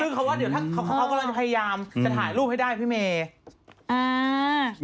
ซึ่งเขาว่าเดี๋ยวถ้าเขากำลังพยายามจะถ่ายรูปให้ได้พี่เมย์